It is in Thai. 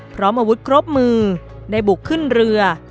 พร้อมอาวุธครบมือได้บุกขึ้นเรือ